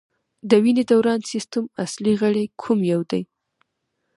د وینې دوران سیستم اصلي غړی کوم یو دی